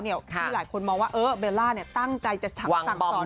ที่หลายคนมองว่าเบลล่าตั้งใจจะฉักสั่งสอนรุ่นร้อง